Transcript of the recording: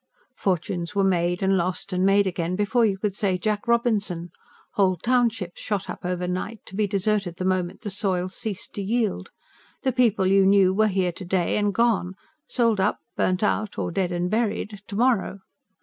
Fortunes were made, and lost, and made again, before you could say Jack Robinson; whole townships shot up over night, to be deserted the moment the soil ceased to yield; the people you knew were here to day, and gone sold up, burnt out, or dead and buried to morrow.